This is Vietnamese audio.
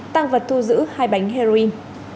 tăng vật thu giữ hai bánh heroin